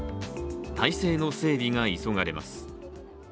体制の整備が急がれます。